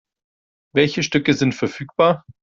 Welche Stücke sind verfügbar?